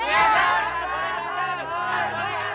tidak ada kata terlambat yang benar